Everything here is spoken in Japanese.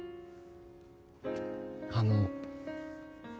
あの。